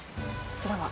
こちらは？